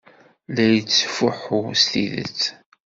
La yettfuḥu s tidet.